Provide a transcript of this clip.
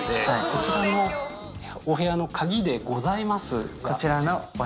こちらのお部屋の鍵でございます。